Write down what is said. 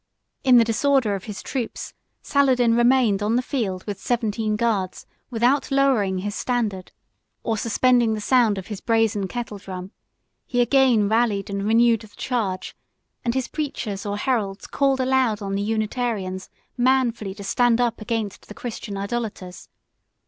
In the disorder of his troops, Saladin remained on the field with seventeen guards, without lowering his standard, or suspending the sound of his brazen kettle drum: he again rallied and renewed the charge; and his preachers or heralds called aloud on the unitarians, manfully to stand up against the Christian idolaters.